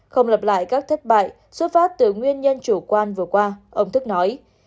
không lặp lại các thất bại xuất phát từ nguyên nhân chủ quan vừa qua ông thức nói